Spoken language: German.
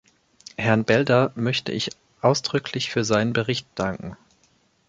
Herrn Belder möchte ich ausdrücklich für seinen Bericht danken.